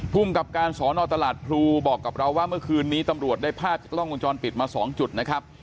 ภูมิกับการสอนอตลาดพลูบอกกับเราว่าเมื่อคืนนี้ตำรวจได้ภาพจากกล้องวงจรปิดมา๒จุดนะครับ